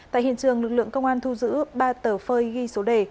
tại hiện trường lực lượng công an thu giữ ba tờ phơi ghi số đề